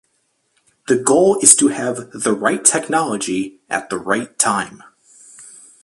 The goal is to have The right technology at the right time.